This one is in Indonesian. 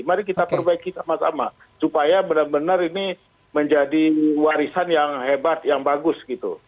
mari kita perbaiki sama sama supaya benar benar ini menjadi warisan yang hebat yang bagus gitu